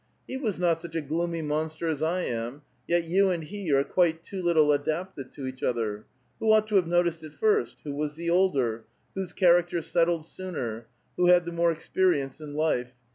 '" He was not such a gloomy monster as I am, yet you and he are quite too little adapted to each other. Who ought to have noticed it first? Who was the older? Whose charac ter settled sooner? Who had the more experience in life?